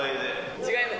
違います。